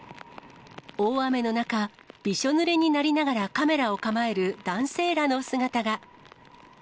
大雨の中、びしょぬれになりながらカメラを構える男性らの姿が。